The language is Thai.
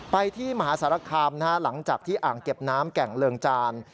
ที่มหาสารคามหลังจากที่อ่างเก็บน้ำแก่งเริงจาน